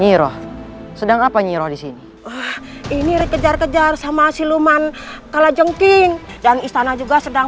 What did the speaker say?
nyiroh sedang apa nyiroh disini ini ritejar kejar sama siluman kalajengking dan istana juga sedang